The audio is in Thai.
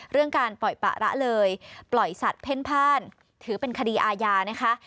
เรื่องการปล่อยปะละเลยปล่อยสัตว์เพ่นพ่านถือเป็นคดีอาญานะคะ